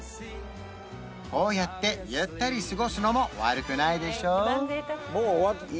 こうやってゆったり過ごすのも悪くないでしょ？